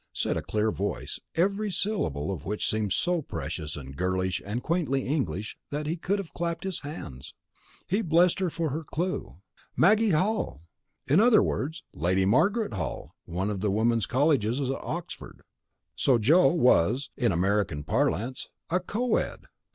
said a clear voice, every syllable of which seemed so precious and girlish and quaintly English that he could have clapped his hands. He blessed her for the clue. "Maggie Hall!" in other words, Lady Margaret Hall, one of the women's colleges at Oxford. So "Joe" was (in American parlance) a "co ed!"